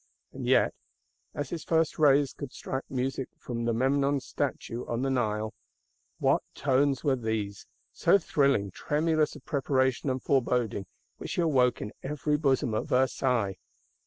And yet, as his first rays could strike music from the Memnon's Statue on the Nile, what tones were these, so thrilling, tremulous of preparation and foreboding, which he awoke in every bosom at Versailles!